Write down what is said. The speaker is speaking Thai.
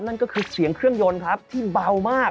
นั่นก็คือเสียงเครื่องยนต์ครับที่เบามาก